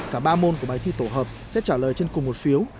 cả ba môn của bài thi tổ hợp sẽ trả lời trên cùng một phiếu